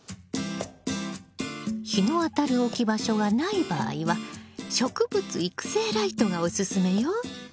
日の当たる置き場所がない場合は植物育成ライトがおすすめよ。